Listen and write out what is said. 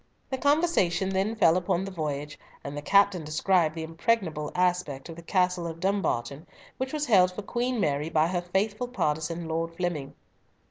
The conversation then fell upon the voyage, and the captain described the impregnable aspect of the castle of Dumbarton, which was held for Queen Mary by her faithful partisan, Lord Flemyng.